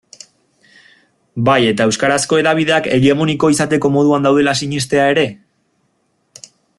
Bai eta euskarazko hedabideak hegemoniko izateko moduan daudela sinestea ere?